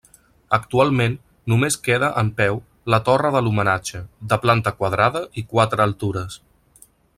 Actualment només queda en peu la torre de l'homenatge, de planta quadrada i quatre altures.